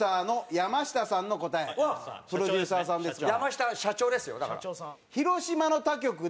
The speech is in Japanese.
山下社長ですよだから。